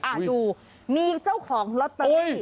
ดูมีเจ้าของลอตเตอรี่